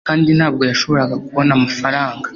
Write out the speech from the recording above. Kandi ntabwo yashoboraga kubona amafaranga